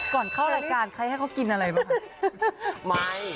ก่อนเข้ารายการใครให้เขากินอะไรบ้างคะ